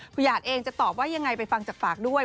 หยาดเองจะตอบว่ายังไงไปฟังจากปากด้วย